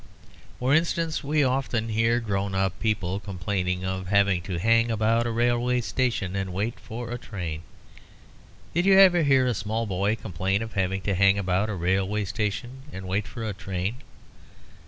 For instance, we often hear grown up people complaining of having to hang about a railway station and wait for a train. Did you ever hear a small boy complain of having to hang about a railway station and wait for a train?